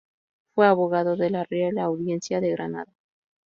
Fue abogado de la Real Audiencia de Granada.